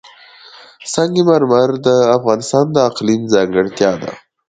سنگ مرمر د افغانستان د اقلیم ځانګړتیا ده.